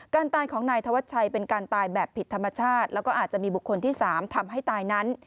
การตายของนายธวัชชัยเป็นการตายแบบผิดธรรมชาติแล้วก็อาจจะมีบุคคลที่๓ทำให้ตายนั้น